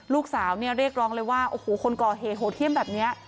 ลูกสาวเนี่ยเรียกร้องเลยว่าโอ้โหคนก่อเหตุโหดเที่ยมแบบนี้